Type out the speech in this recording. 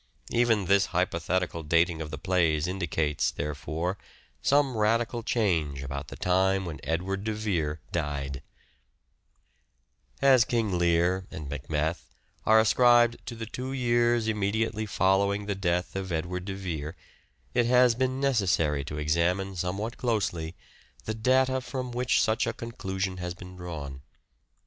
Even this hypothetical dating 4io "SHAKESPEARE' IDENTIFIED of the plays indicates, therefore, some radical change about the time when Edward de Vere died. Lear " and As " King Lear " and " Macbeth " are ascribed to Macbeth." ^e two years immediately following the death of Edward de Vere it has been been necessary to examine somewhat closely the data from which such a conclusion has been drawn.